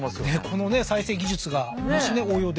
このね再生技術がもしね応用できれば。